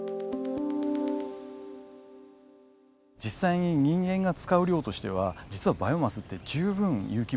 実際に人間が使う量としては実はバイオマスって十分有機物を持ってます